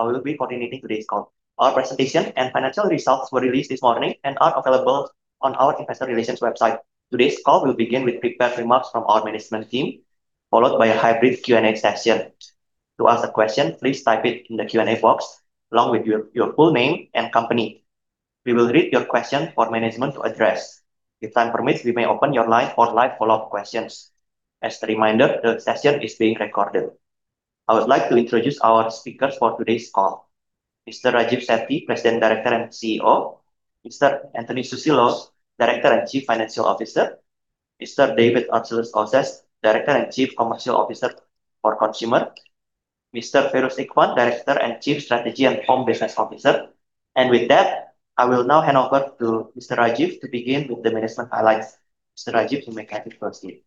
I will be coordinating today's call. Our presentation and financial results were released this morning and are available on our investor relations website. Today's call will begin with prepared remarks from our management team, followed by a hybrid Q&A session. To ask a question, please type it in the Q&A box along with your full name and company. We will read your question for management to address. If time permits, we may open your line for live follow-up questions. As a reminder, the session is being recorded. I would like to introduce our speakers for today's call. Mr. Rajeev Sethi, President, Director, and CEO. Mr. Antony Susilo, Director and Chief Financial Officer. Mr. David Arcelus Oses, Director and Chief Commercial Officer for Consumer. Mr. Feiruz Ikhwan, Director and Chief Strategy and Home Business Officer. With that, I will now hand over to Mr. Rajeev to begin with the management highlights. Mr. Rajeev, you may get it started.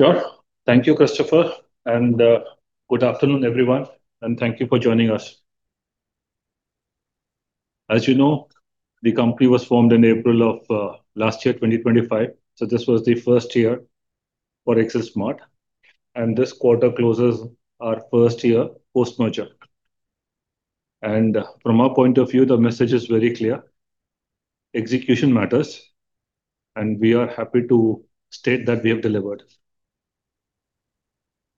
Sure. Thank you, Christopher. Good afternoon, everyone, and thank you for joining us. As you know, the company was formed in April of last year, 2025, so this was the first year for XLSMART, and this quarter closes our first year post-merger. From our point of view, the message is very clear: execution matters, and we are happy to state that we have delivered.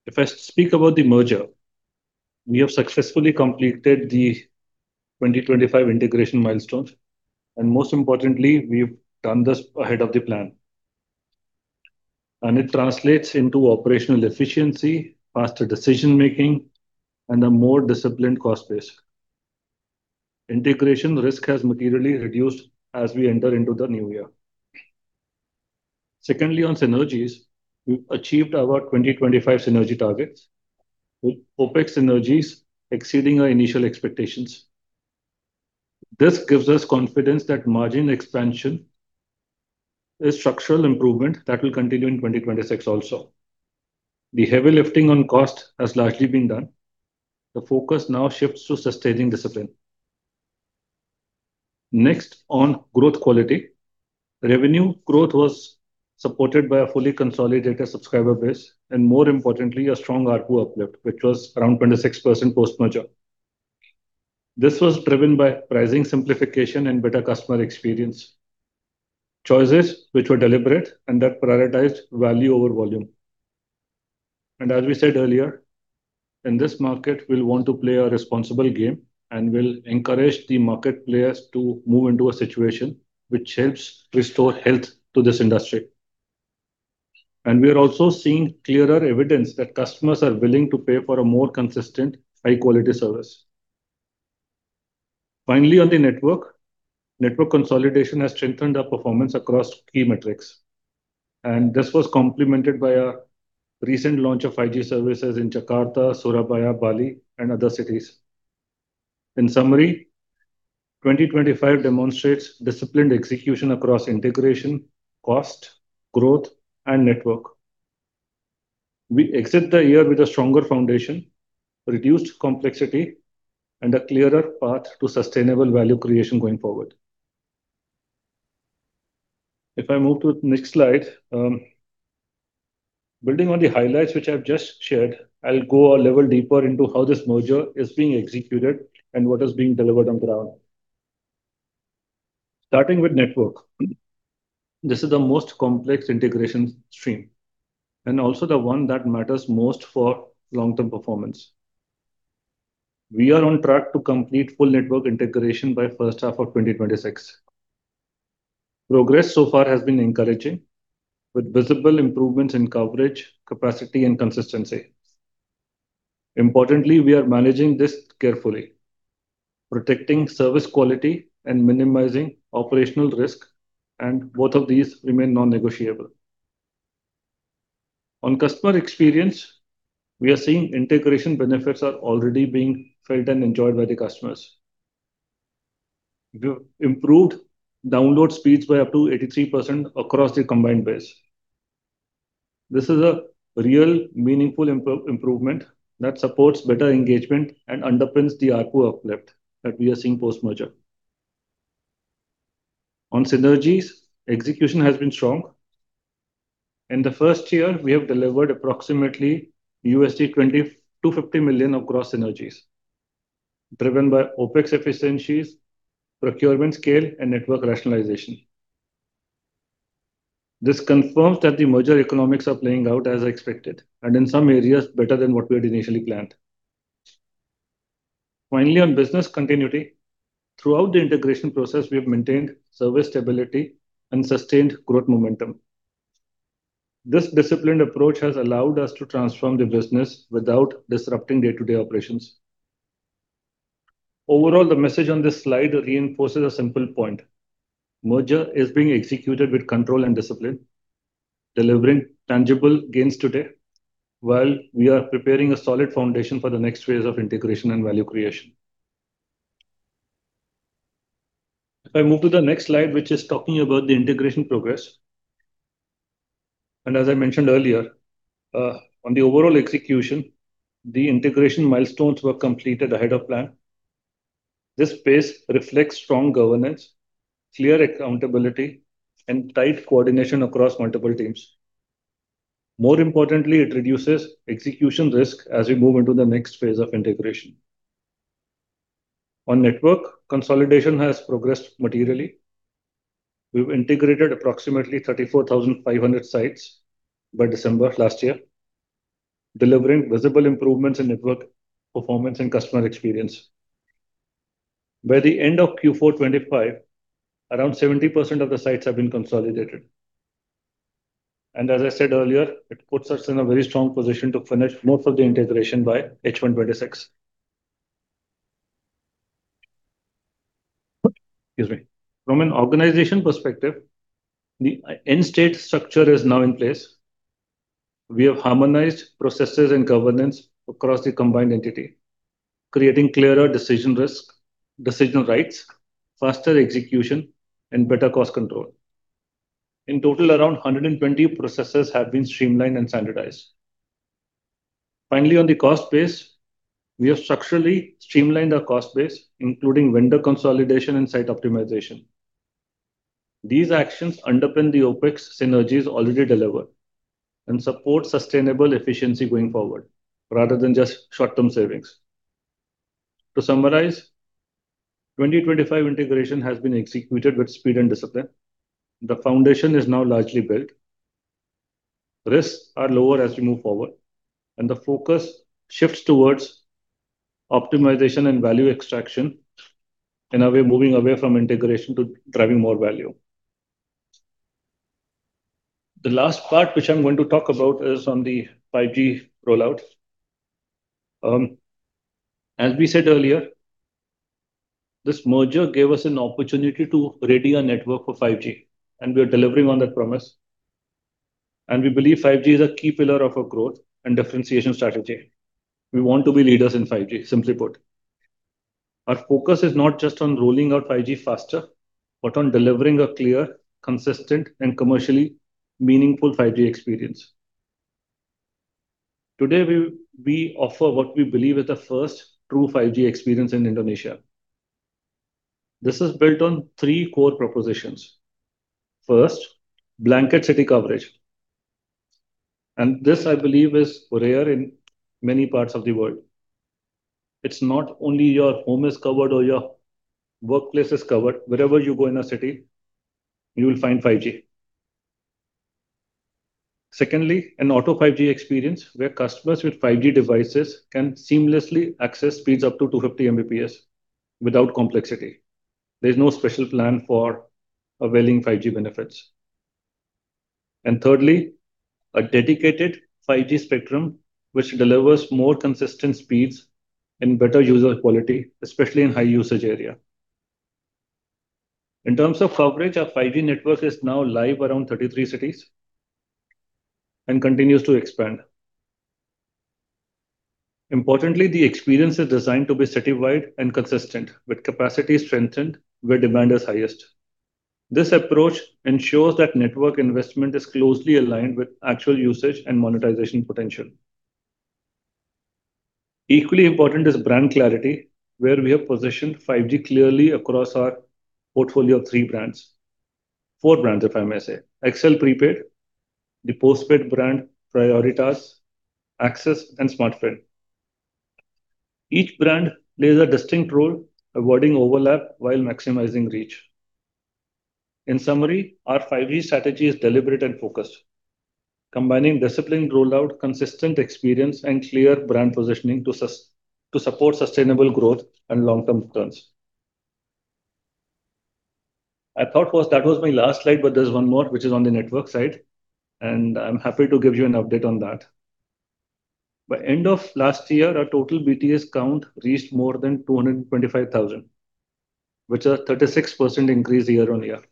If I speak about the merger, we have successfully completed the 2025 integration milestones, and most importantly, we've done this ahead of the plan. It translates into operational efficiency, faster decision-making, and a more disciplined cost base. Integration risk has materially reduced as we enter into the new year. Secondly, on synergies, we've achieved our 2025 synergy targets, with OpEx synergies exceeding our initial expectations. This gives us confidence that margin expansion is a structural improvement that will continue in 2026 also. The heavy lifting on cost has largely been done. The focus now shifts to sustaining discipline. Next, on growth quality. Revenue growth was supported by a fully consolidated subscriber base, and more importantly, a strong ARPU uplift, which was around 26% post-merger. This was driven by pricing simplification and better customer experience, choices which were deliberate and that prioritized value over volume. As we said earlier, in this market, we'll want to play a responsible game, and we'll encourage the market players to move into a situation which helps restore health to this industry. We are also seeing clearer evidence that customers are willing to pay for a more consistent, high-quality service. Finally, on the network. Network consolidation has strengthened our performance across key metrics, and this was complemented by a recent launch of 5G services in Jakarta, Surabaya, Bali, and other cities. In summary, 2025 demonstrates disciplined execution across integration, cost, growth, and network. We exit the year with a stronger foundation, reduced complexity, and a clearer path to sustainable value creation going forward. If I move to the next slide, building on the highlights which I've just shared, I'll go a level deeper into how this merger is being executed and what is being delivered on the ground. Starting with network. This is the most complex integration stream, and also the one that matters most for long-term performance. We are on track to complete full network integration by first half of 2026. Progress so far has been encouraging, with visible improvements in coverage, capacity, and consistency. Importantly, we are managing this carefully, protecting service quality and minimizing operational risk, and both of these remain non-negotiable. On customer experience, we are seeing integration benefits are already being felt and enjoyed by the customers. We've improved download speeds by up to 83% across the combined base. This is a real, meaningful improvement that supports better engagement and underpins the ARPU uplift that we are seeing post-merger. On synergies, execution has been strong. In the first year, we have delivered approximately $22 million-$50 million of gross synergies, driven by OpEx efficiencies, procurement scale, and network rationalization. This confirms that the merger economics are playing out as expected, and in some areas, better than what we had initially planned. Finally, on business continuity. Throughout the integration process, we have maintained service stability and sustained growth momentum. This disciplined approach has allowed us to transform the business without disrupting day-to-day operations. Overall, the message on this slide reinforces a simple point: merger is being executed with control and discipline, delivering tangible gains today, while we are preparing a solid foundation for the next phase of integration and value creation. If I move to the next slide, which is talking about the integration progress. As I mentioned earlier, on the overall execution, the integration milestones were completed ahead of plan. This pace reflects strong governance, clear accountability, and tight coordination across multiple teams. More importantly, it reduces execution risk as we move into the next phase of integration. On network, consolidation has progressed materially. We've integrated approximately 34,500 sites by December last year, delivering visible improvements in network performance and customer experience. By the end of Q4 2025, around 70% of the sites have been consolidated. As I said earlier, it puts us in a very strong position to finish most of the integration by H1 2026. Excuse me. From an organization perspective, the end state structure is now in place. We have harmonized processes and governance across the combined entity, creating clearer decision rights, faster execution, and better cost control. In total, around 120 processes have been streamlined and standardized. Finally, on the cost base, we have structurally streamlined our cost base, including vendor consolidation and site optimization. These actions underpin the OpEx synergies already delivered and support sustainable efficiency going forward, rather than just short-term savings. To summarize, 2025 integration has been executed with speed and discipline. The foundation is now largely built. Risks are lower as we move forward, and the focus shifts towards optimization and value extraction, and now we are moving away from integration to driving more value. The last part, which I'm going to talk about, is on the 5G rollout. As we said earlier, this merger gave us an opportunity to ready our network for 5G, and we are delivering on that promise. We believe 5G is a key pillar of our growth and differentiation strategy. We want to be leaders in 5G, simply put. Our focus is not just on rolling out 5G faster, but on delivering a clear, consistent, and commercially meaningful 5G experience. Today, we offer what we believe is the first true 5G experience in Indonesia. This is built on three core propositions. First, blanket city coverage, and this, I believe, is rare in many parts of the world. It's not only your home is covered or your workplace is covered. Wherever you go in a city, you will find 5G. Secondly, an auto 5G experience, where customers with 5G devices can seamlessly access speeds up to 250 Mbps without complexity. There's no special plan for availing 5G benefits. And thirdly, a dedicated 5G spectrum which delivers more consistent speeds and better user quality, especially in high-usage area. In terms of coverage, our 5G network is now live around 33 cities and continues to expand. Importantly, the experience is designed to be citywide and consistent, with capacity strengthened where demand is highest. This approach ensures that network investment is closely aligned with actual usage and monetization potential. Equally important is brand clarity, where we have positioned 5G clearly across our portfolio of three brands. Four brands, if I may say. XL Prepaid, the postpaid brand XL Prioritas, AXIS, and Smartfren. Each brand plays a distinct role, avoiding overlap while maximizing reach. In summary, our 5G strategy is deliberate and focused, combining disciplined rollout, consistent experience, and clear brand positioning to support sustainable growth and long-term returns. I thought that was my last slide, but there's one more, which is on the network side, and I'm happy to give you an update on that. By end of last year, our total BTS count reached more than 225,000, which is a 36% increase year-on-year.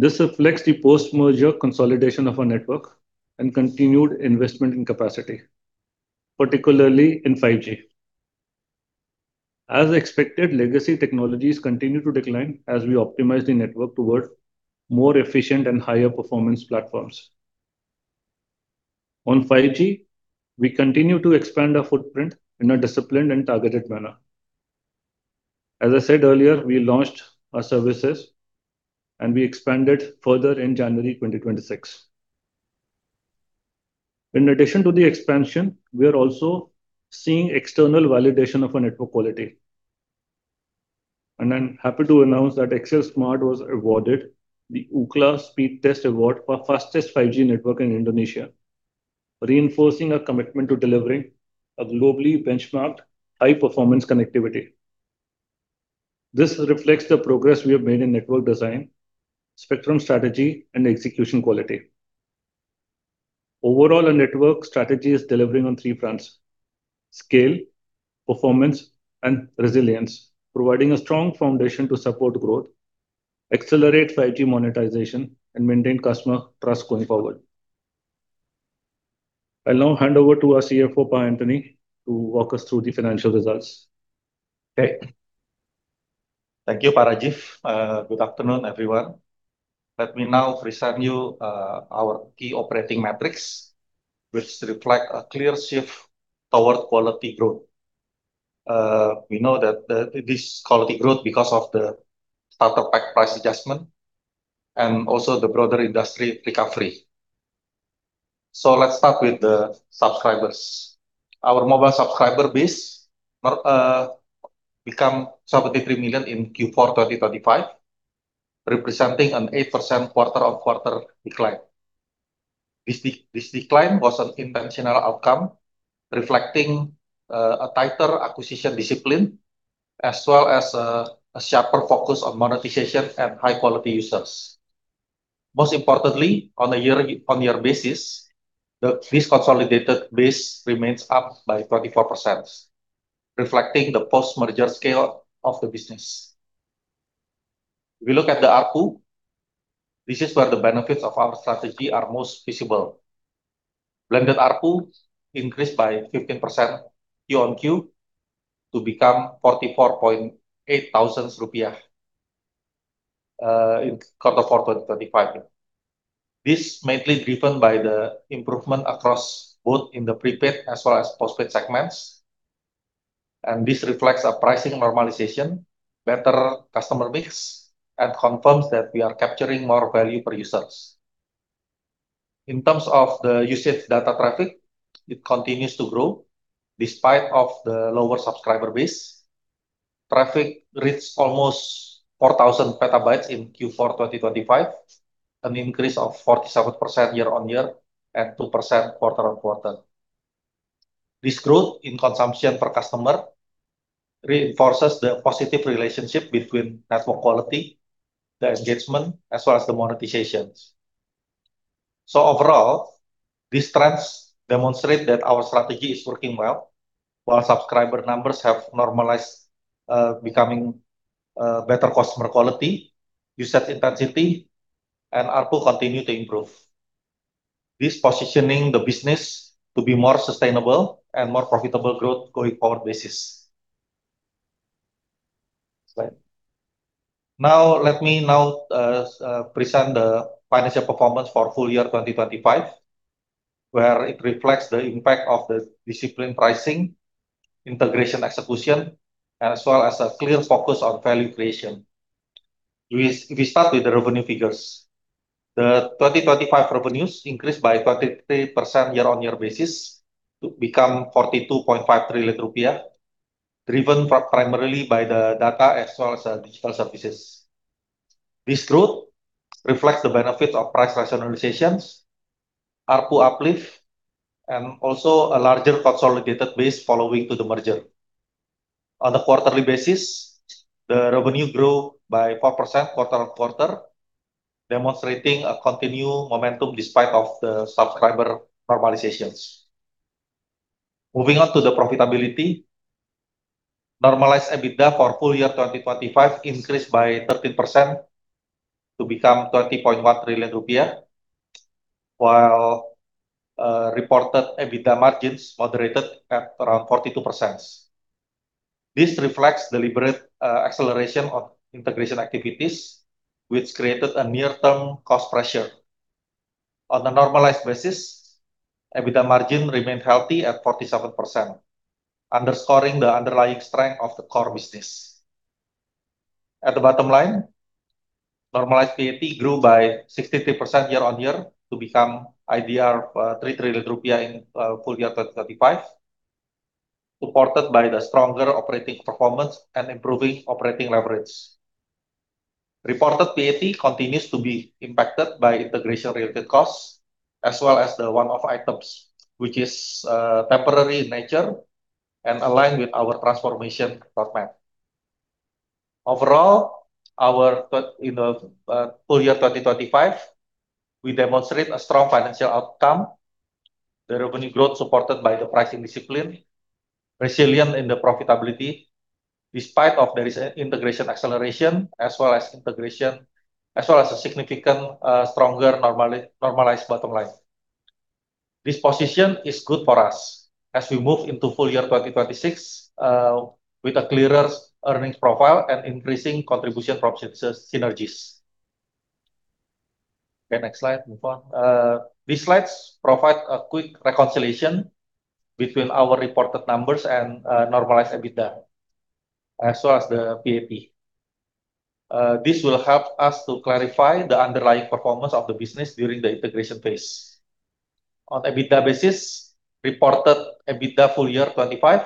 This reflects the post-merger consolidation of our network and continued investment in capacity, particularly in 5G. As expected, legacy technologies continue to decline as we optimize the network towards more efficient and higher performance platforms. On 5G, we continue to expand our footprint in a disciplined and targeted manner. As I said earlier, we launched our services, and we expanded further in January 2026. In addition to the expansion, we are also seeing external validation of our network quality. I'm happy to announce that XLSMART was awarded the Ookla Speedtest Award for fastest 5G network in Indonesia, reinforcing our commitment to delivering a globally benchmarked, high-performance connectivity. This reflects the progress we have made in network design, spectrum strategy, and execution quality. Overall, our network strategy is delivering on three fronts: scale, performance, and resilience, providing a strong foundation to support growth, accelerate 5G monetization, and maintain customer trust going forward. I'll now hand over to our CFO, Antony, to walk us through the financial results. Okay. Thank you, Rajeev. Good afternoon, everyone. Let me now present you our key operating metrics, which reflect a clear shift toward quality growth. We know that this quality growth because of the starter pack price adjustment and also the broader industry recovery. So let's start with the subscribers. Our mobile subscriber base became 73 million in Q4 2025, representing an 8% quarter-on-quarter decline. This decline was an intentional outcome, reflecting a tighter acquisition discipline, as well as a sharper focus on monetization and high-quality users. Most importantly, on a year-on-year basis, the XL's consolidated base remains up by 24%, reflecting the post-merger scale of the business. We look at the ARPU, this is where the benefits of our strategy are most visible. Blended ARPU increased by 15% year-on-year to become IDR 44,800, in Q4 2025. This mainly driven by the improvement across both in the prepaid as well as postpaid segments, and this reflects a pricing normalization, better customer mix, and confirms that we are capturing more value per users. In terms of the usage data traffic, it continues to grow despite the lower subscriber base. Traffic reached almost 4,000 petabytes in Q4 2025, an increase of 47% year-on-year and 2% quarter-on-quarter. This growth in consumption per customer reinforces the positive relationship between network quality, the engagement, as well as the monetizations. So overall, these trends demonstrate that our strategy is working well. While subscriber numbers have normalized, becoming better customer quality, usage intensity and ARPU continue to improve. This positions the business to be more sustainable and more profitable growth going forward basis. Next slide. Now, let me now present the financial performance for full year 2025, where it reflects the impact of the disciplined pricing, integration execution, as well as a clear focus on value creation. We, we start with the revenue figures. The 2025 revenues increased by 23% year-on-year basis to become 42.5 trillion rupiah, driven primarily by the data as well as, digital services. This growth reflects the benefits of price rationalizations, ARPU uplift, and also a larger consolidated base following to the merger. On a quarterly basis, the revenue grew by 4% quarter-on-quarter, demonstrating a continued momentum despite of the subscriber normalizations. Moving on to the profitability, normalized EBITDA for full year 2025 increased by 13% to become IDR 30.1 trillion, while reported EBITDA margins moderated at around 42%. This reflects deliberate acceleration of integration activities, which created a near-term cost pressure. On a normalized basis, EBITDA margin remained healthy at 47%, underscoring the underlying strength of the core business. At the bottom line, normalized PAT grew by 63% year-on-year to become 3 trillion rupiah in full year 2025, supported by the stronger operating performance and improving operating leverage. Reported PAT continues to be impacted by integration-related costs, as well as the one-off items, which is temporary in nature and aligned with our transformation roadmap. Overall, in the full year 2025, we demonstrate a strong financial outcome, the revenue growth supported by the pricing discipline, resilient in the profitability, despite integration acceleration, as well as integration, as well as a significant, stronger normally, normalized bottom line. This position is good for us as we move into full year 2026, with a clearer earnings profile and increasing contribution from synergies. Okay, next slide, move on. These slides provide a quick reconciliation between our reported numbers and normalized EBITDA, as well as the PAT. This will help us to clarify the underlying performance of the business during the integration phase. On EBITDA basis, reported EBITDA full year 2025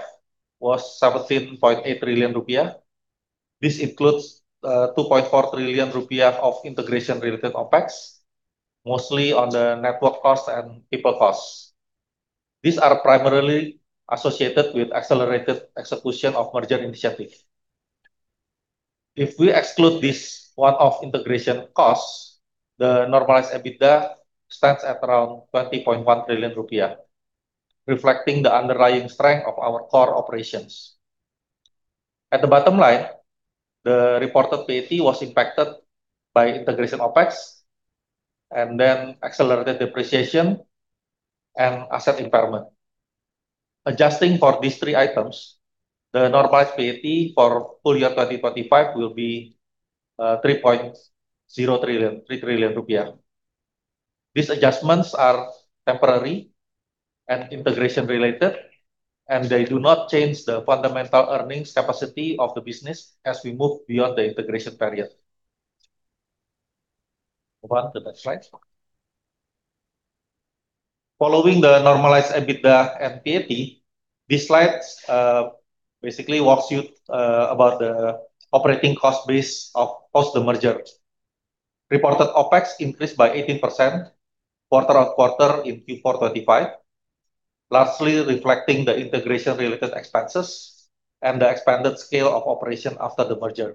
was 17.8 trillion rupiah. This includes 2.4 trillion rupiah of integration-related OpEx, mostly on the network costs and people costs. These are primarily associated with accelerated execution of merger initiatives. If we exclude this one-off integration costs, the normalized EBITDA stands at around 20.1 trillion rupiah, reflecting the underlying strength of our core operations. At the bottom line, the reported PAT was impacted by integration OpEx, and then accelerated depreciation and asset impairment. Adjusting for these three items, the normalized PAT for full year 2025 will be, 3.0 trillion. These adjustments are temporary and integration related, and they do not change the fundamental earnings capacity of the business as we move beyond the integration period. Move on to the next slide. Following the normalized EBITDA and PAT, this slide, basically walks you, about the operating cost base of post the merger. Reported OpEx increased by 18% quarter-on-quarter in Q4 2025, largely reflecting the integration-related expenses and the expanded scale of operation after the merger.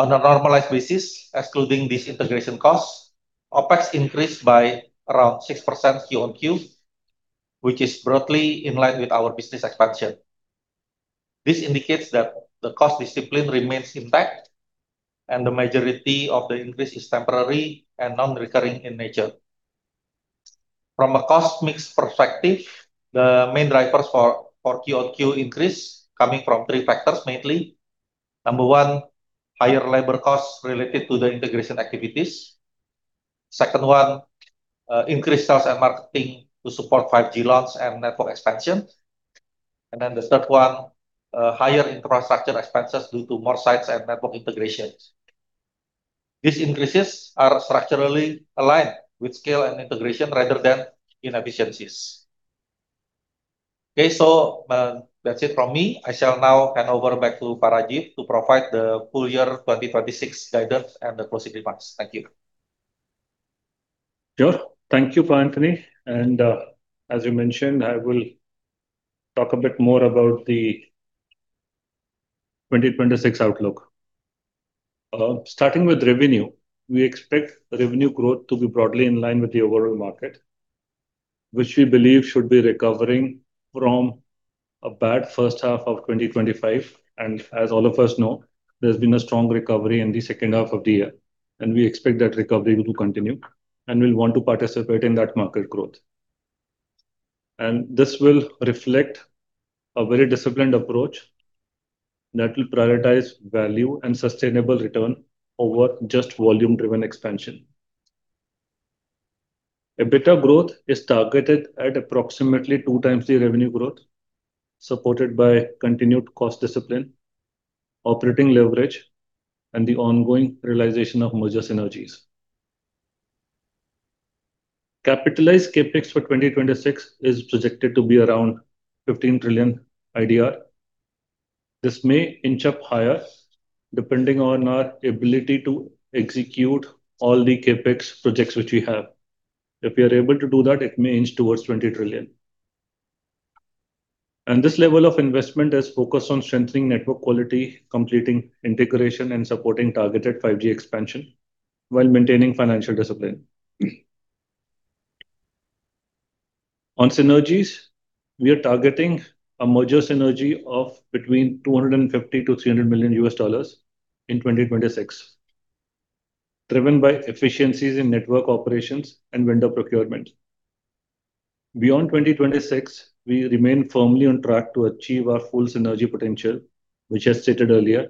On a normalized basis, excluding these integration costs, OpEx increased by around 6% quarter-on-quarter, which is broadly in line with our business expansion. This indicates that the cost discipline remains intact, and the majority of the increase is temporary and non-recurring in nature. From a cost mix perspective, the main drivers for QoQ increase coming from three factors mainly. Number one, higher labor costs related to the integration activities. Second one, increased sales and marketing to support 5G launch and network expansion. And then the third one, higher infrastructure expenses due to more sites and network integrations. These increases are structurally aligned with scale and integration rather than inefficiencies. Okay, so, that's it from me. I shall now hand over back to Pak Rajeev to provide the full year 2026 guidance and the closing remarks. Thank you. Sure. Thank you, Pak Antony. And, as you mentioned, I will talk a bit more about the 2026 outlook. Starting with revenue, we expect revenue growth to be broadly in line with the overall market, which we believe should be recovering from a bad first half of 2025. And as all of us know, there's been a strong recovery in the second half of the year, and we expect that recovery to continue, and we'll want to participate in that market growth. And this will reflect a very disciplined approach that will prioritize value and sustainable return over just volume-driven expansion. EBITDA growth is targeted at approximately 2x the revenue growth, supported by continued cost discipline, operating leverage, and the ongoing realization of merger synergies. CapEx for 2026 is projected to be around 15 trillion IDR. This may inch up higher, depending on our ability to execute all the CapEx projects which we have. If we are able to do that, it may inch towards 20 trillion. This level of investment is focused on strengthening network quality, completing integration, and supporting targeted 5G expansion while maintaining financial discipline. On synergies, we are targeting a merger synergy of between $250 million-$300 million in 2026, driven by efficiencies in network operations and vendor procurement. Beyond 2026, we remain firmly on track to achieve our full synergy potential, which as stated earlier,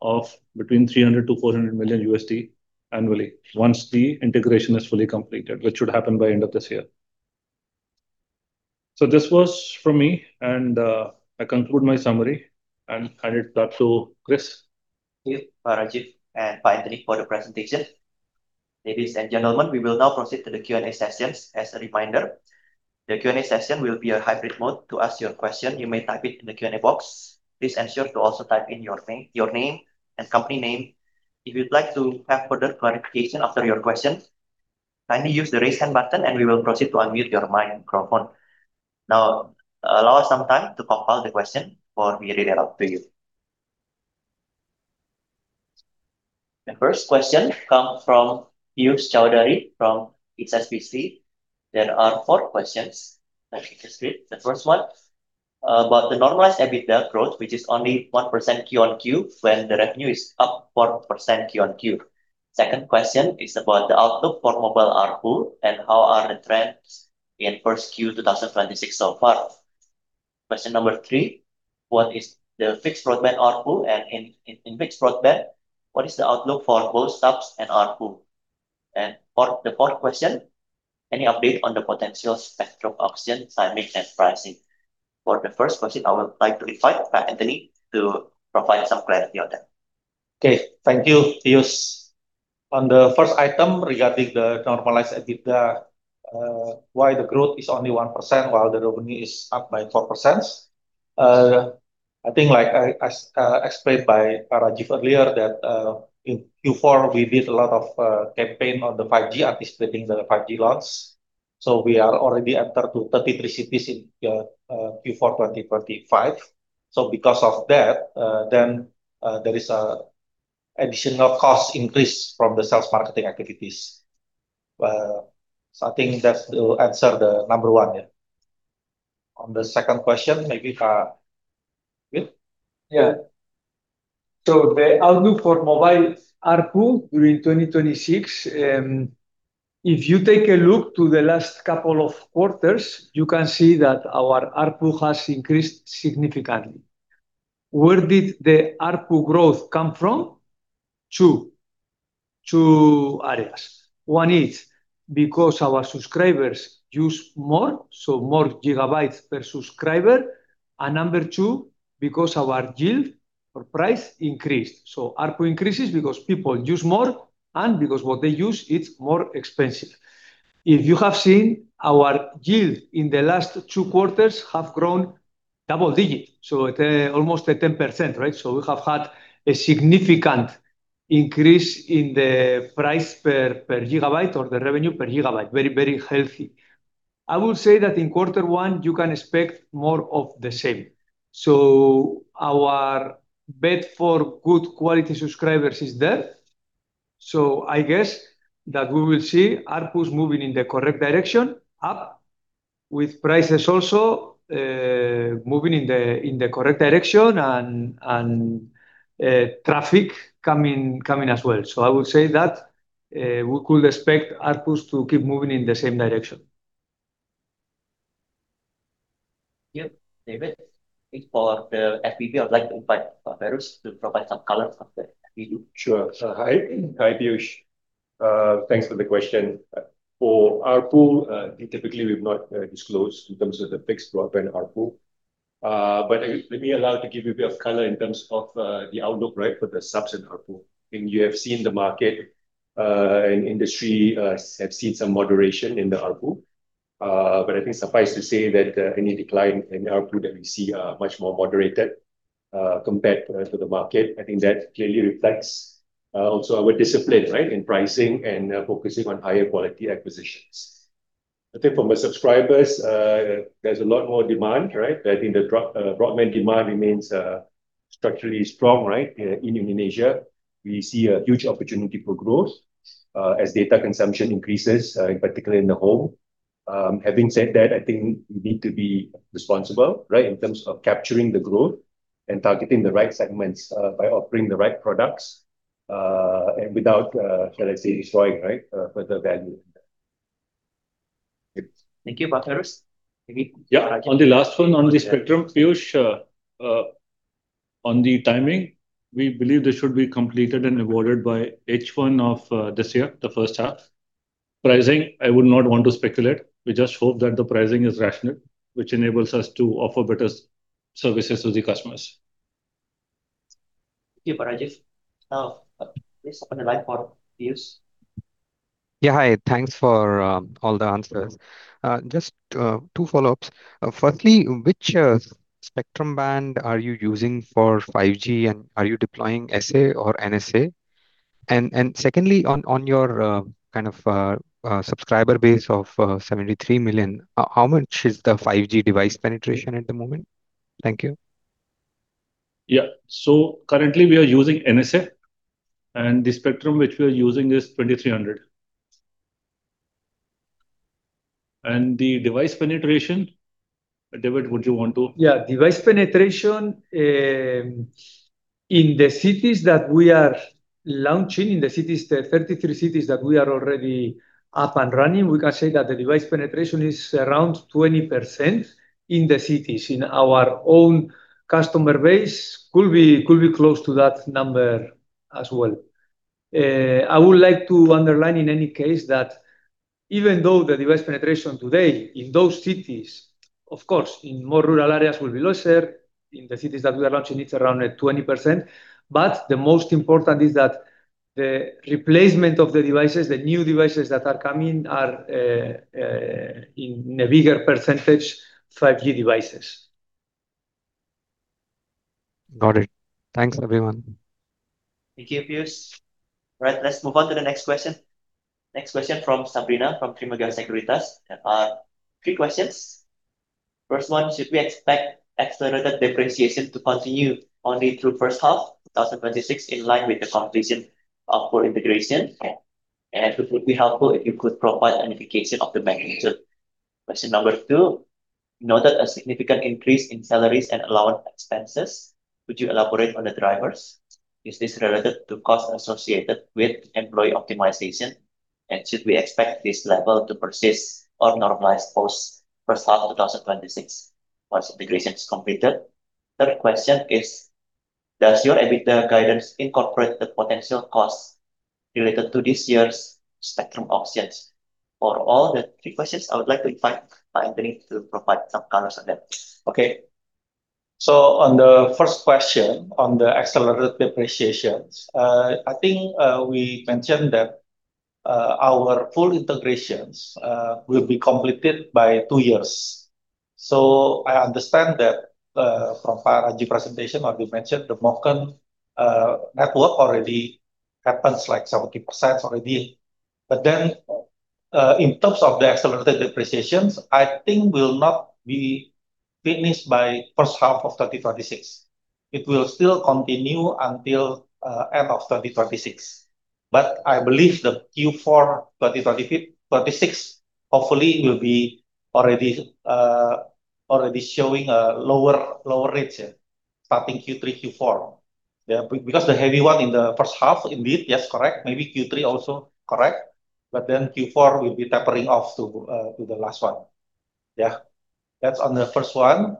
of between $300 million-$400 million annually once the integration is fully completed, which should happen by end of this year. So this was from me, and, I conclude my summary and hand it back to Chris. Thank you, Pak Rajeev and Pak Antony, for the presentation. Ladies and gentlemen, we will now proceed to the Q&A sessions. As a reminder, the Q&A session will be a hybrid mode. To ask your question, you may type it in the Q&A box. Please ensure to also type in your name, your name and company name. If you'd like to have further clarification after your question, kindly use the Raise Hand button, and we will proceed to unmute your mic and microphone. Now, allow some time to compile the question before we read it out to you. The first question come from Piyush Choudhary from HSBC. There are four questions. Let me just read the first one. About the normalized EBITDA growth, which is only 1% quarter-on-quarter, when the revenue is up 4% quarter-on-quarter. Second question is about the outlook for mobile ARPU, and how are the trends in first Q 2026 so far? Question number three: What is the fixed broadband ARPU, and in fixed broadband, what is the outlook for both subs and ARPU? And for the fourth question, any update on the potential spectrum auction timing and pricing? For the first question, I would like to invite Antony to provide some clarity on that. Okay. Thank you, Chris. On the first item, regarding the normalized EBITDA, why the growth is only 1%, while the revenue is up by 4%. I think, like I, as explained by Pak Rajeev earlier, that in Q4, we did a lot of campaign on the 5G, anticipating the 5G launch, so we are already entered to 33 cities in Q4 2025. So because of that, then there is a additional cost increase from the sales marketing activities. So I think that will answer the number one, yeah. On the second question, maybe, David? So the outlook for mobile ARPU during 2026, if you take a look to the last couple of quarters, you can see that our ARPU has increased significantly. Where did the ARPU growth come from? Two areas. One is because our subscribers use more, so more gigabytes per subscriber. And number two, because our yield or price increased. So ARPU increases because people use more and because what they use, it's more expensive. If you have seen, our yield in the last two quarters have grown double digit, so, almost a 10%, right? So we have had a significant increase in the price per gigabyte or the revenue per gigabyte. Very, very healthy. I will say that in quarter one, you can expect more of the same. So our bet for good quality subscribers is there. So I guess that we will see ARPUs moving in the correct direction, up, with prices also moving in the correct direction and traffic coming as well. So I would say that we could expect ARPUs to keep moving in the same direction. Yep, David, it's for the FBB. I'd like to invite Feiruz to provide some color on the FBB. Sure. So hi, hi, Piyush. Thanks for the question. For ARPU, typically we've not disclosed in terms of the fixed broadband ARPU. But let me allow to give you a bit of color in terms of the outlook, right, for the subs and ARPU. I think you have seen the market and industry have seen some moderation in the ARPU. But I think suffice to say that any decline in ARPU that we see are much more moderated compared to the market. I think that clearly reflects also our discipline, right, in pricing and focusing on higher quality acquisitions. I think from the subscribers there's a lot more demand, right? I think the broadband demand remains structurally strong, right? In Indonesia, we see a huge opportunity for growth, as data consumption increases, in particular in the home. Having said that, I think we need to be responsible, right, in terms of capturing the growth and targeting the right segments, by offering the right products, and without, let's say, destroying, right, further value. Thank you, Feiruz. Maybe. Yeah. On the last one, on the spectrum, Piyush, on the timing, we believe this should be completed and awarded by H1 of this year, the first half. Pricing, I would not want to speculate. We just hope that the pricing is rational, which enables us to offer better services to the customers. Thank you, Rajeev. Please, on the line for Piyush. Yeah, hi. Thanks for all the answers. Just two follow-ups. Firstly, which spectrum band are you using for 5G, and are you deploying SA or NSA? Secondly, on your kind of subscriber base of 73 million, how much is the 5G device penetration at the moment? Thank you. Yeah. So currently we are using NSA, and the spectrum which we are using is 2,300. And the device penetration. David, would you want to. Yeah, device penetration in the cities that we are launching, in the cities, the 33 cities that we are already up and running, we can say that the device penetration is around 20% in the cities. In our own customer base, could be, could be close to that number as well. I would like to underline, in any case, that even though the device penetration today in those cities, of course, in more rural areas will be lesser. In the cities that we are launching, it's around 20%. But the most important is that the replacement of the devices, the new devices that are coming are in a bigger percentage, 5G devices. Got it. Thanks, everyone. Thank you, Piyush. Right, let's move on to the next question. Next question from Sabrina, from Trimegah Sekuritas. Three questions. First one, should we expect accelerated depreciation to continue only through first half 2026, in line with the completion of full integration? And it would be helpful if you could provide an indication of the magnitude. Question number two: We noted a significant increase in salaries and allowance expenses. Would you elaborate on the drivers? Is this related to costs associated with employee optimization, and should we expect this level to persist or normalize post first half of 2026, once integration is completed? Third question is, does your EBITDA guidance incorporate the potential costs related to this year's spectrum auctions? For all the three questions, I would like to invite Anthony to provide some colors on that. Okay. So on the first question, on the accelerated depreciations, I think, we mentioned that, our full integrations, will be completed by two years. So I understand that, from Rajeev presentation, where we mentioned the migration, network already happens, like 70% already. But then, in terms of the accelerated depreciations, I think will not be finished by first half of 2026. It will still continue until, end of 2026. But I believe the Q4 2025-2026 hopefully will already be showing lower rates starting Q3, Q4. Yeah, because the heavy one in the first half, indeed, yes, correct. Maybe Q3 also, correct, but then Q4 will be tapering off to the last one. Yeah. That's on the first one.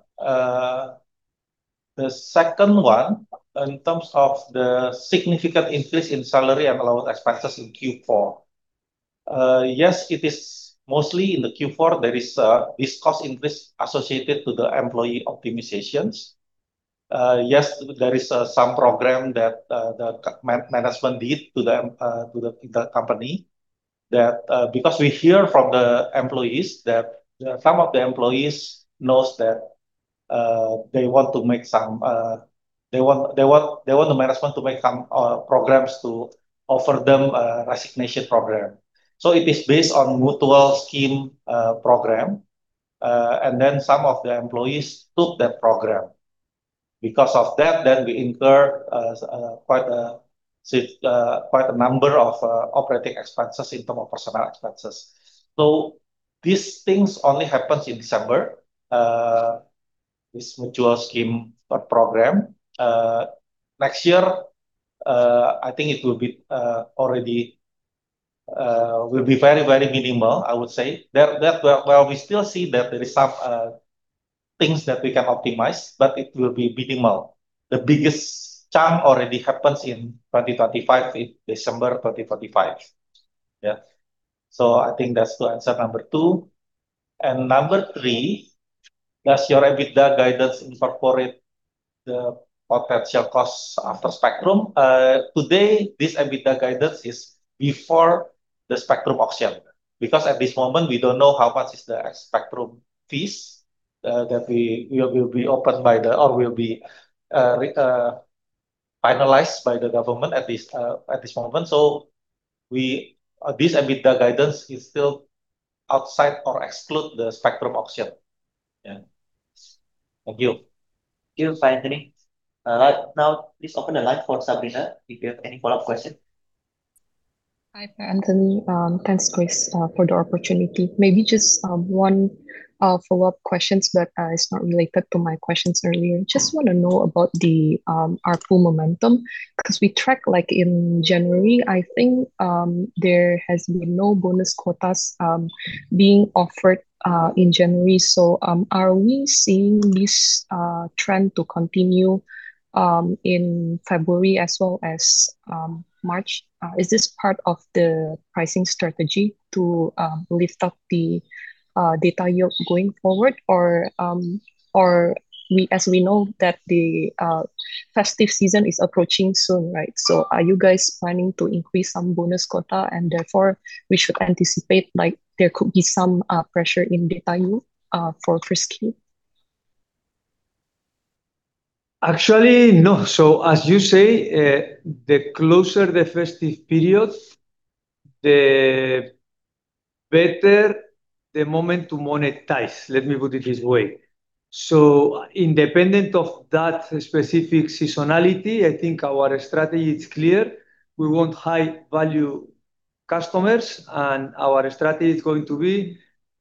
The second one, in terms of the significant increase in salary and allowance expenses in Q4, yes, it is mostly in the Q4, there is this cost increase associated to the employee optimizations. Yes, there is some program that the management did to the company because we hear from the employees that some of the employees knows that they want the management to make some programs to offer them a resignation program. So it is based on mutual scheme program, and then some of the employees took that program. Because of that, then we incur quite a number of operating expenses in terms of personnel expenses. So these things only happens in December, this mutual scheme program. Next year, I think it will be already very, very minimal, I would say. That, well, we still see that there is some things that we can optimize, but it will be minimal. The biggest chunk already happens in 2025, in December 2025. Yeah. So I think that's the answer number two. And number three, does your EBITDA guidance incorporate the potential costs after spectrum? Today, this EBITDA guidance is before the spectrum auction, because at this moment, we don't know how much is the spectrum fees that we will be opened by the or will be finalized by the government at this moment. So this EBITDA guidance is still outside or exclude the spectrum auction. Yeah. Thank you. Thank you, Antony. Now please open the line for Sabrina, if you have any follow-up question. Hi, Antony. Thanks, Christopher, for the opportunity. Maybe just one follow-up questions, but it's not related to my questions earlier. Just want to know about the ARPU momentum, because we track, like in January, I think, there has been no bonus quotas being offered in January. So are we seeing this trend to continue in February as well as March? Is this part of the pricing strategy to lift up the data yield going forward, or as we know that the festive season is approaching soon, right? So are you guys planning to increase some bonus quota, and therefore, we should anticipate, like, there could be some pressure in data yield for Q1? Actually, no. So as you say, the closer the festive period, the better the moment to monetize. Let me put it this way. So independent of that specific seasonality, I think our strategy is clear. We want high-value customers, and our strategy is going to be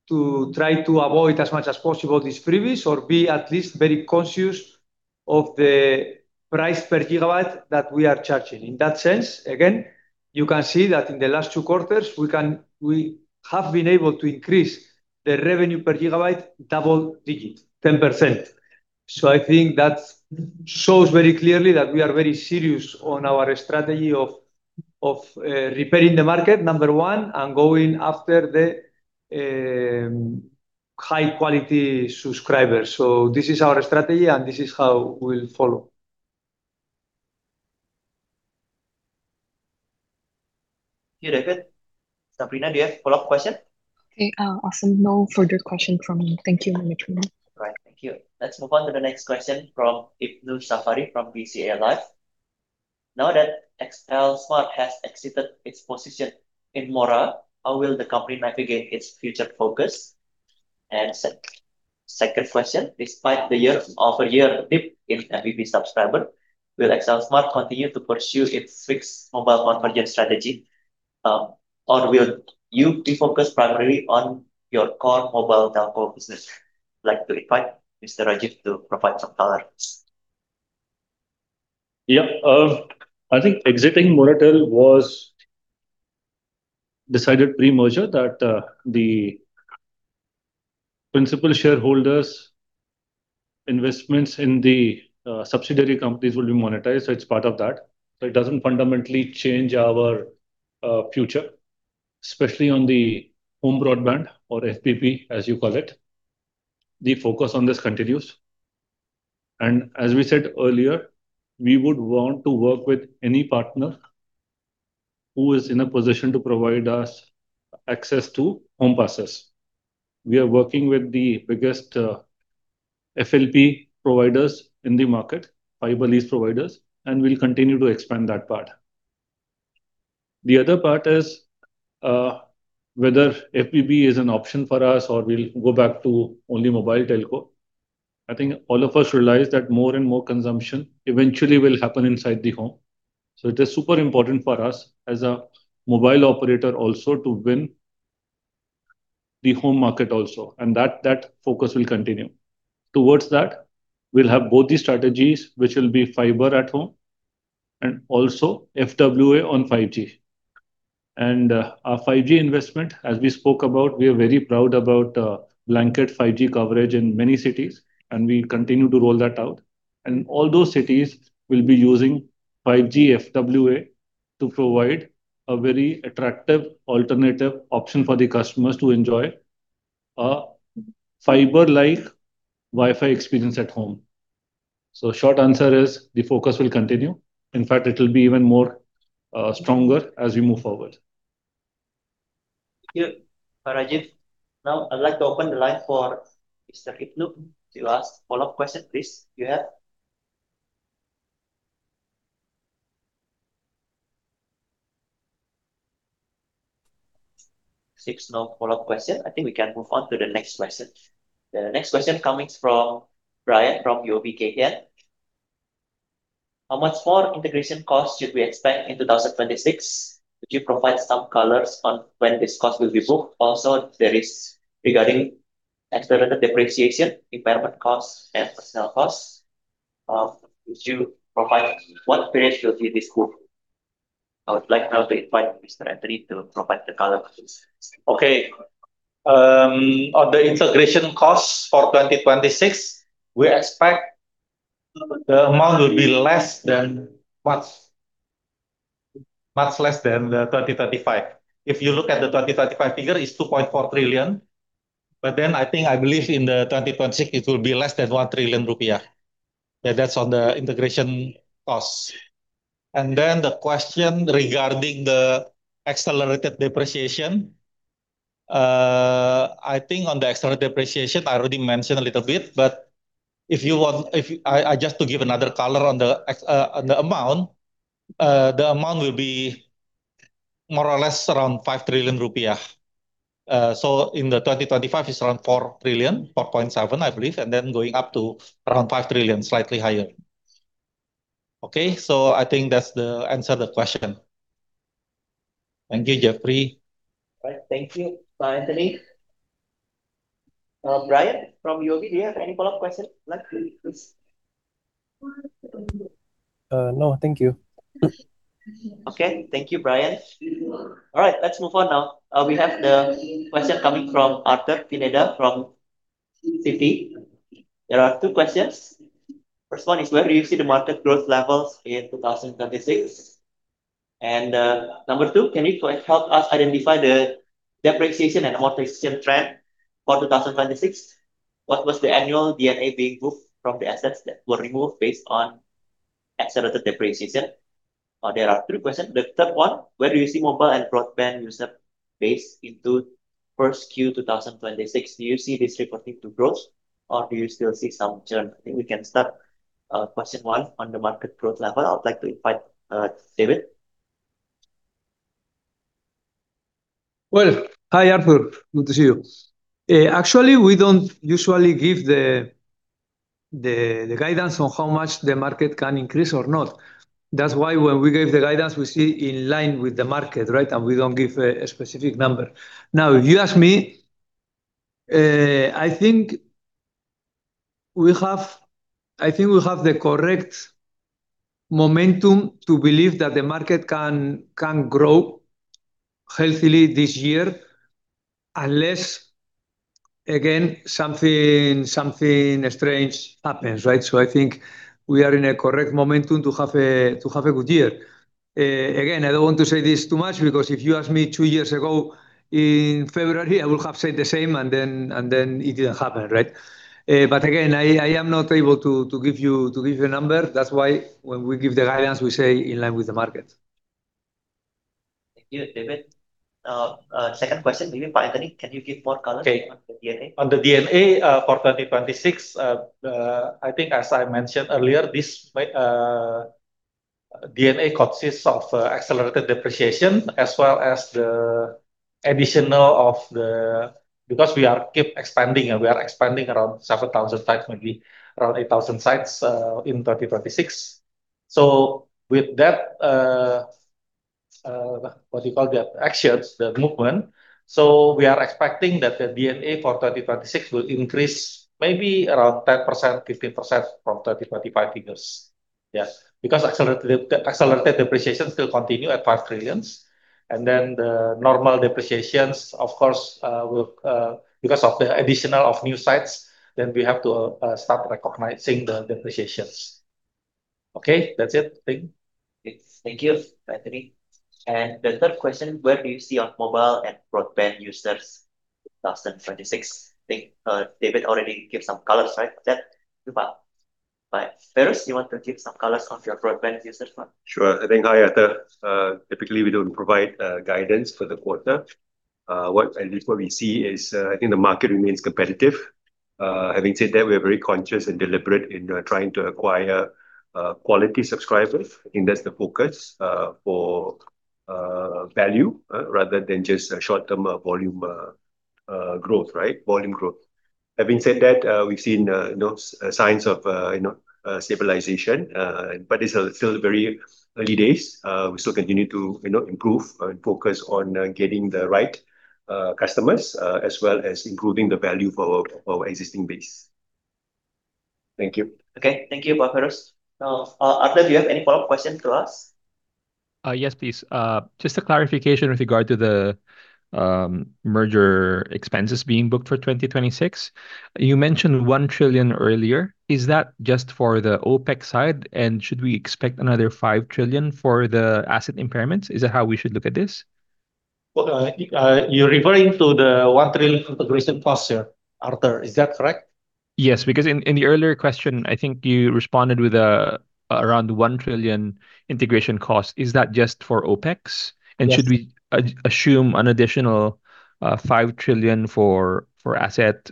to try to avoid as much as possible this previous or be at least very conscious of the price per gigabyte that we are charging. In that sense, again, you can see that in the last two quarters, we have been able to increase the revenue per gigabyte double digit, 10%. So I think that shows very clearly that we are very serious on our strategy of repairing the market, number one, and going after the high-quality subscribers. So this is our strategy, and this is how we'll follow. Thank you, David. Sabrina, do you have follow-up question? Okay, awesome. No further question from me. Thank you very much. All right. Thank you. Let's move on to the next question from Ibnu Safari, from BCA Life. Now that XLSMART has exited its position in Mora, how will the company navigate its future focus? And second question: Despite the year-over-year dip in FBB subscriber, will XLSMART continue to pursue its fixed mobile convergence strategy, or will you be focused primarily on your core mobile telco business? I'd like to invite Mr. Rajeev to provide some clarity. Yeah. I think exiting Moratel was decided pre-merger that, the principal shareholders' investments in the, subsidiary companies will be monetized, so it's part of that. So it doesn't fundamentally change our, future, especially on the home broadband or FBB, as you call it. The focus on this continues. And as we said earlier, we would want to work with any partner who is in a position to provide us access to home passes. We are working with the biggest, FLP providers in the market, fiber lease providers, and we'll continue to expand that part. The other part is, whether FBB is an option for us or we'll go back to only mobile telco. I think all of us realize that more and more consumption eventually will happen inside the home. So it is super important for us as a mobile operator also to win the home market also, and that, that focus will continue. Towards that, we'll have both the strategies, which will be fiber at home and also FWA on 5G. And, our 5G investment, as we spoke about, we are very proud about, blanket 5G coverage in many cities, and we continue to roll that out. And all those cities will be using 5G FWA to provide a very attractive alternative option for the customers to enjoy a fiber-like Wi-Fi experience at home. So short answer is, the focus will continue. In fact, it will be even more, stronger as we move forward. Thank you, Rajeev. Now, I'd like to open the line for Mr. Ibnu to ask follow-up question, please, you have? Six, no follow-up question. I think we can move on to the next question. The next question coming from Brian, from UOB Kay Hian: "How much more integration costs should we expect in 2026? Could you provide some colors on when this cost will be booked? Also, there is regarding accelerated depreciation, impairment costs, and personnel costs. Would you provide what period will be this booked?" I would like now to invite Mr. Antony to provide the color, please. Okay, on the integration costs for 2026, we expect the amount will be less than much, much less than the 2025. If you look at the 2035 figure, it's 2.4 trillion, but then I think, I believe in the 2026, it will be less than 1 trillion rupiah. Yeah, that's on the integration costs. And then the question regarding the accelerated depreciation. I think on the accelerated depreciation, I already mentioned a little bit, but if you want, if I just to give another color on the amount, the amount will be more or less around 5 trillion rupiah. So in the 2025, it's around 4.7 trillion, I believe, and then going up to around 5 trillion, slightly higher. Okay, so I think that's the answer the question. Thank you. Right. Thank you, bye, Antony. Brian, from UOB, do you have any follow-up question, like, please? No, thank you. Okay. Thank you, Brian. All right, let's move on now. We have the question coming from Arthur Pineda from Citi. There are two questions. First one is: Where do you see the market growth levels in 2026? And, number two: Can you help us identify the depreciation and amortization trend for 2026? What was the annual D&A being moved from the assets that were removed based on accelerated depreciation? There are three questions. The third one: Where do you see mobile and broadband user base into first Q 2026? Do you see this continuing to grow, or do you still see some churn? I think we can start, question one on the market growth level. I would like to invite, David. Well, hi, Arthur. Good to see you. Actually, we don't usually give the guidance on how much the market can increase or not. That's why when we give the guidance, we see in line with the market, right? And we don't give a specific number. Now, if you ask me, I think we have the correct momentum to believe that the market can grow healthily this year, unless, again, something strange happens, right? So I think we are in a correct momentum to have a good year. Again, I don't want to say this too much, because if you asked me two years ago in February, I would have said the same, and then it didn't happen, right? But again, I am not able to give you a number. That's why when we give the guidance, we say in line with the market. Thank you, David. Second question, maybe, Anthony, can you give more color? Okay. On the D&A? On the D&A, for 2026, I think as I mentioned earlier, this my D&A consists of accelerated depreciation, as well as the addition of the. Because we keep expanding, and we are expanding around 7,000 sites, maybe around 8,000 sites, in 2026. So with that, what you call the actions, the movement, so we are expecting that the D&A for 2026 will increase maybe around 10%-15% from 2025 figures. Yes, because accelerated depreciation still continue at 5 trillion. And then the normal depreciations, of course, will because of the addition of new sites, then we have to start recognizing the depreciations. Okay, that's it. Thank you. Thank you, Antony. The third question: Where do you see on mobile and broadband users in 2026? I think, David already gave some colors, right, for that as well. Feiruz, you want to give some colors on your broadband users as well? Sure. I think, hi, Arthur. Typically, we don't provide guidance for the quarter. What and what we see is, I think the market remains competitive. Having said that, we are very conscious and deliberate in trying to acquire quality subscribers. I think that's the focus, for. Value, rather than just a short-term, volume, growth, right? Volume growth. Having said that, we've seen, you know, signs of, you know, stabilization, but it's still very early days. We still continue to, you know, improve and focus on, getting the right, customers, as well as improving the value for our existing base. Thank you. Okay, thank you, Pak Feiruz. Now, Arthur, do you have any follow-up questions to ask? Yes, please. Just a clarification with regard to the merger expenses being booked for 2026. You mentioned 1 trillion earlier. Is that just for the OpEx side, and should we expect another 5 trillion for the asset impairments? Is that how we should look at this? Well, you're referring to the 1 trillion integration cost here, Arthur, is that correct? Yes, because in the earlier question, I think you responded with around 1 trillion integration costs. Is that just for OpEx? Yes. Should we assume an additional 5 trillion for asset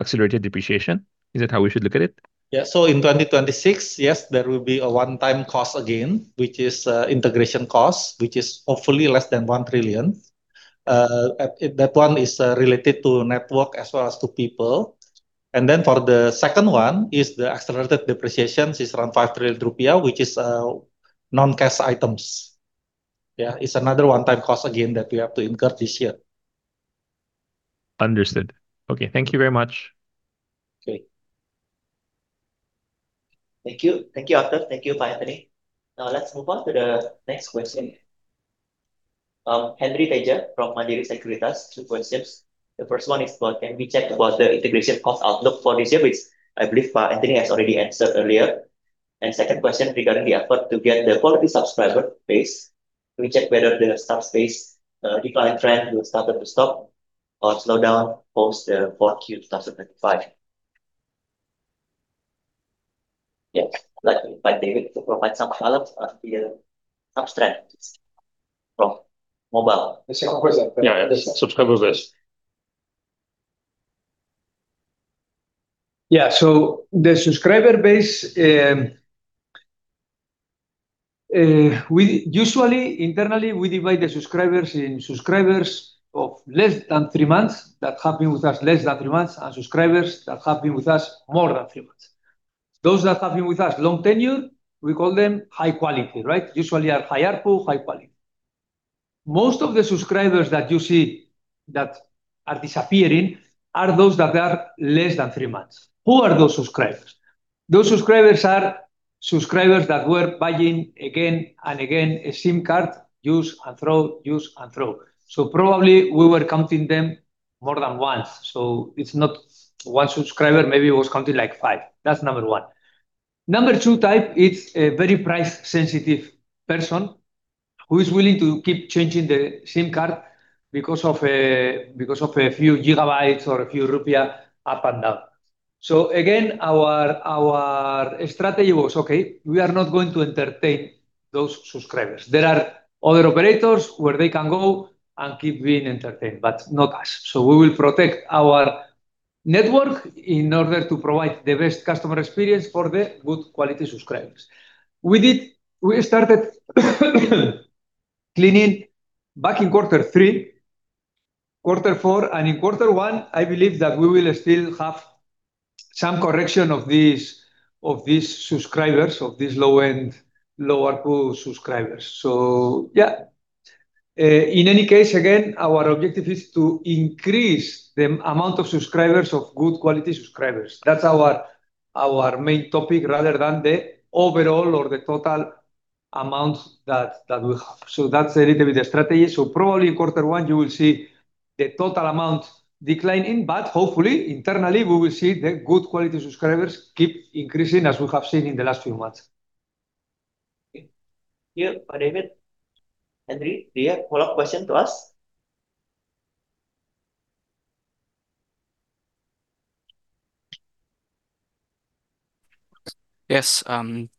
accelerated depreciation? Is that how we should look at it? Yeah. So in 2026, yes, there will be a one-time cost again, which is integration costs, which is hopefully less than 1 trillion. That one is related to network as well as to people. And then for the second one, is the accelerated depreciation is around 5 trillion rupiah, which is non-cash items. Yeah, it's another one-time cost again that we have to incur this year. Understood. Okay. Thank you very much. Okay. Thank you. Thank you, Arthur. Thank you, Pak Antony. Now, let's move on to the next question. Henry Teja from Mandiri Sekuritas. Two questions. The first one is about: Can we check about the integration cost outlook for this year, which I believe Pak Antony has already answered earlier? And second question regarding the effort to get the quality subscriber base, can we check whether the subscriber base, decline trend will start up to stop or slow down post the fourth Q 2025. Yes, I'd like invite David to provide some color on the subscriber from mobile. The second question. Yeah, yeah. Subscriber base. Yeah. So the subscriber base, we usually internally, we divide the subscribers in subscribers of less than three months, that have been with us less than three months, and subscribers that have been with us more than three months. Those that have been with us long tenure, we call them high quality, right? Usually are high ARPU, high quality. Most of the subscribers that you see that are disappearing are those that are less than three months. Who are those subscribers? Those subscribers are subscribers that were buying again and again a SIM card, use and throw, use and throw. So probably we were counting them more than once, so it's not one subscriber, maybe it was counting, like, five. That's number one. Number 2 type, it's a very price-sensitive person who is willing to keep changing the SIM card because of a few gigabytes or a few rupiah up and down. So again, our strategy was, okay, we are not going to entertain those subscribers. There are other operators where they can go and keep being entertained, but not us. So we will protect our network in order to provide the best customer experience for the good quality subscribers. We started cleaning back in quarter three, quarter four, and in quarter one. I believe that we will still have some correction of these subscribers, of these low-end, low ARPU subscribers. So yeah, in any case, again, our objective is to increase the amount of subscribers of good quality subscribers. That's our main topic rather than the overall or the total amount that we have. So that's a little bit the strategy. So probably in quarter one, you will see the total amount declining, but hopefully internally, we will see the good quality subscribers keep increasing, as we have seen in the last few months. Okay. Thank you, Pak David. Henry, do you have follow-up question to ask? Yes,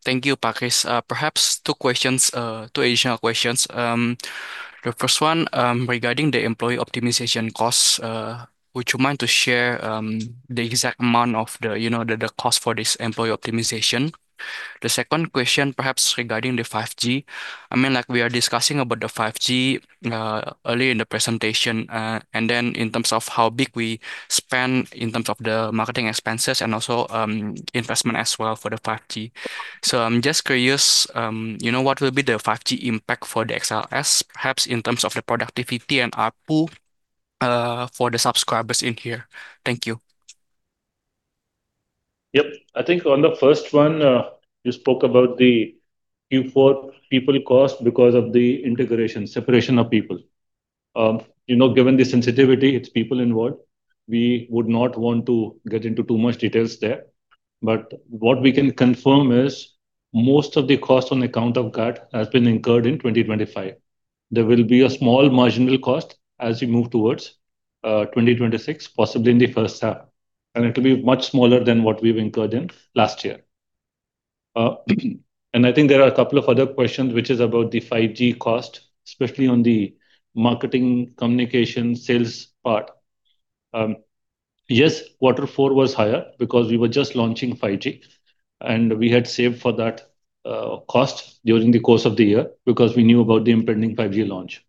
thank you, Pak Chris. Perhaps two questions, two additional questions. The first one, regarding the employee optimization costs, would you mind to share, the exact amount of the, you know, the cost for this employee optimization? The second question, perhaps, regarding the 5G. I mean, like, we are discussing about the 5G, early in the presentation, and then in terms of how big we spend in terms of the marketing expenses and also, investment as well for the 5G. So I'm just curious, you know, what will be the 5G impact for the XL as perhaps in terms of the productivity and ARPU, for the subscribers in here? Thank you. Yep. I think on the first one, you spoke about the Q4 people cost because of the integration, separation of people. You know, given the sensitivity, it's people involved, we would not want to get into too much details there. But what we can confirm is, most of the cost on account of that has been incurred in 2025. There will be a small marginal cost as we move towards 2026, possibly in the first half, and it will be much smaller than what we've incurred in last year. And I think there are a couple of other questions, which is about the 5G cost, especially on the marketing, communication, sales part. Yes, quarter four was higher because we were just launching 5G, and we had saved for that cost during the course of the year because we knew about the impending 5G launch.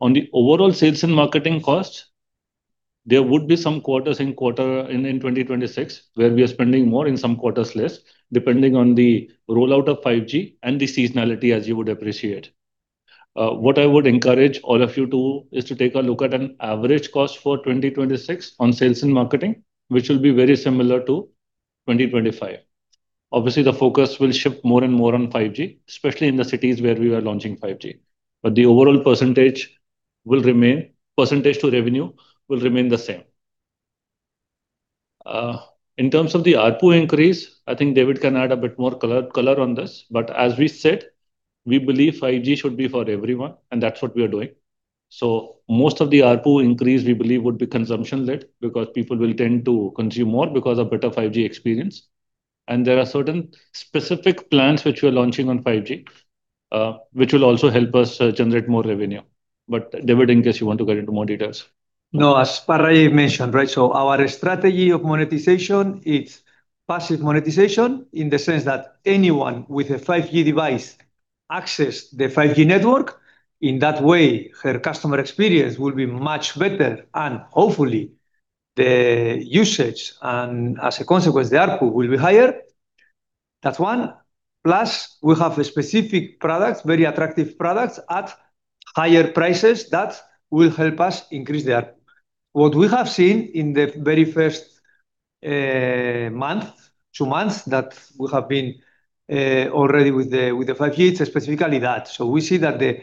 On the overall sales and marketing costs, there would be some quarters in 2026, where we are spending more, in some quarters less, depending on the rollout of 5G and the seasonality, as you would appreciate. What I would encourage all of you to is to take a look at an average cost for 2026 on sales and marketing, which will be very similar to 2025. Obviously, the focus will shift more and more on 5G, especially in the cities where we are launching 5G, but the overall percentage will remain, percentage to revenue will remain the same. In terms of the ARPU increase, I think David can add a bit more color on this, but as we said, we believe 5G should be for everyone, and that's what we are doing. So most of the ARPU increase, we believe, would be consumption-led because people will tend to consume more because of better 5G experience. And there are certain specific plans which we're launching on 5G, which will also help us generate more revenue. But David, in case you want to get into more details. No, as Parag mentioned, right? So our strategy of monetization, it's passive monetization, in the sense that anyone with a 5G device access the 5G network. In that way, their customer experience will be much better, and hopefully, the usage, and as a consequence, the ARPU will be higher. That's one. Plus, we have specific products, very attractive products, at higher prices that will help us increase the ARPU. What we have seen in the very first month, two months, that we have been already with the 5G, it's specifically that. So we see that the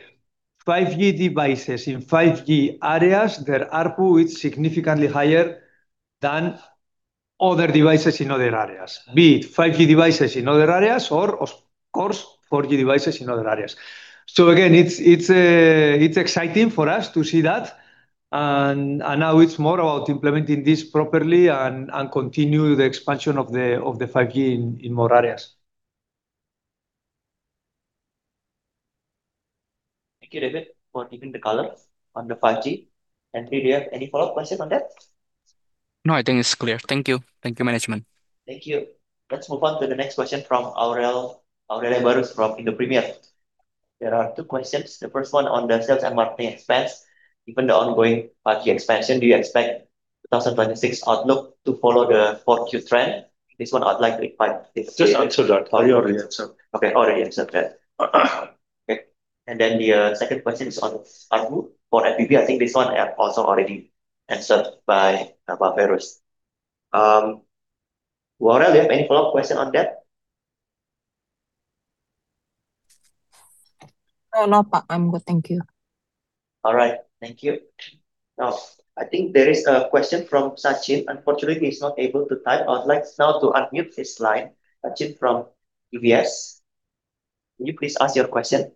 5G devices in 5G areas, their ARPU is significantly higher than other devices in other areas, be it 5G devices in other areas or, of course, 4G devices in other areas. So again, it's exciting for us to see that, and now it's more about implementing this properly and continue the expansion of the 5G in more areas. Thank you, David, for giving the color on the 5G. Do you have any follow-up questions on that? No, I think it's clear. Thank you. Thank you, management. Thank you. Let's move on to the next question from Aurel, Aurel Barus from Indo Premier. There are two questions. The first one on the sales and marketing expense. Given the ongoing 5G expansion, do you expect 2026 outlook to follow the 4Q trend? This one I'd like to invite- Just answer that, or you already answered. Okay, already answered that. Okay. And then the second question is on ARPU for FBB. I think this one have also already answered by Feiruz. Aurel, do you have any follow-up question on that? No, no, Pak. I'm good, thank you. All right. Thank you. Now, I think there is a question from Sachin. Unfortunately, he's not able to type. I would like now to unmute his line. Sachin from DBS, can you please ask your question?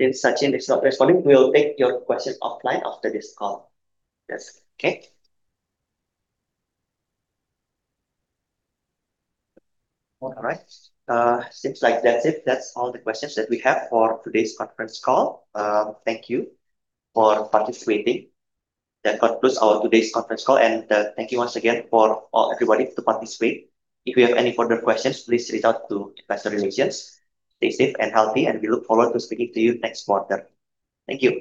Okay. If Sachin is not responding, we will take your question offline after this call. Yes, okay. All right, seems like that's it. That's all the questions that we have for today's conference call. Thank you for participating. That concludes our today's conference call, and, thank you once again for all, everybody to participate. If you have any further questions, please reach out to investor relations. Stay safe and healthy, and we look forward to speaking to you next quarter. Thank you.